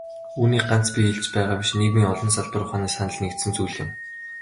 Үүнийг ганц би хэлж байгаа биш, нийгмийн олон салбар ухааны санал нэгдсэн зүйл.